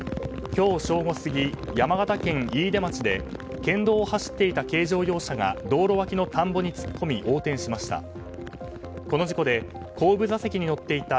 今日正午過ぎ、山形県飯豊町で県道を走っていた軽乗用車が道路脇の田んぼに突っ込み横転しました。